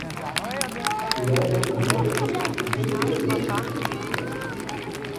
Ils restent une référence dans l'univers de la chanson française.